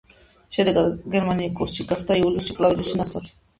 შედეგად გერმანიკუსი გახდა იულიუსი კლავდიუსის ნაცვლად.